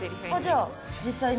じゃあ実際に？